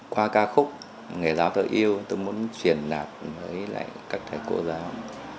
qua ca khúc người giáo thơ yêu tôi muốn truyền đạt với lại các thầy cô giáo